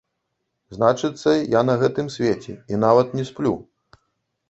Значыцца, я на гэтым свеце і нават не сплю.